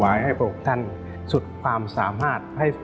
ต่อวายให้พวกท่านสุดความสามารถ